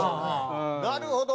なるほど。